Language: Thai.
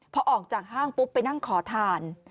พอออกจากห้างปุ๊บไปนั่งขอทาน